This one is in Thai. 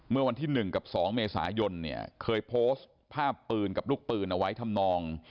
เมื่อวันที่๑กับ๒เมษายนเนี่ยเคยโพสต์ภาพปืนกับลูกปืนเอาไว้ทำนอง